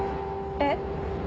えっ？